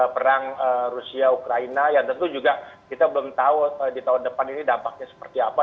perang rusia ukraina yang tentu juga kita belum tahu di tahun depan ini dampaknya seperti apa